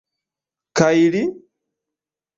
Kaj li?